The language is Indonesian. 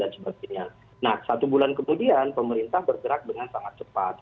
nah satu bulan kemudian pemerintah bergerak dengan sangat cepat